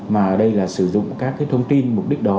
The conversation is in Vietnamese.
mà ở đây là sử dụng các cái thông tin mục đích đó